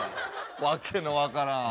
訳の分からん。